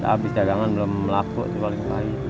abis dagangan belum melakukan